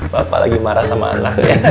bapak lagi marah sama anak